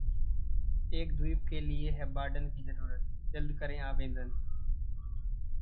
एक द्वीप के लिए है वार्डन की जरूरत, जल्द करें आवेदन